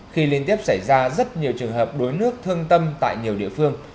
khi liên tiếp xảy ra rất nhiều trường hợp đuối nước thương tâm tại nhiều địa phương